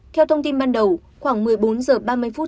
theo thông tin ban đầu khoảng một mươi bốn h ba mươi phút